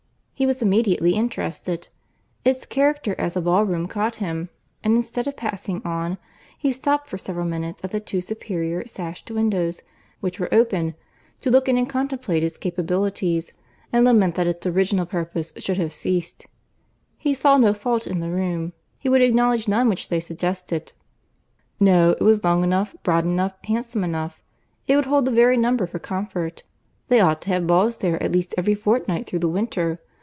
He was immediately interested. Its character as a ball room caught him; and instead of passing on, he stopt for several minutes at the two superior sashed windows which were open, to look in and contemplate its capabilities, and lament that its original purpose should have ceased. He saw no fault in the room, he would acknowledge none which they suggested. No, it was long enough, broad enough, handsome enough. It would hold the very number for comfort. They ought to have balls there at least every fortnight through the winter.